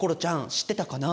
知ってたかな？